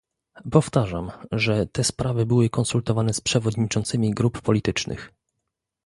Powtarzam, że te sprawy były konsultowane z przewodniczącymi grup politycznych